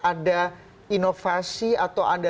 ada inovasi atau anda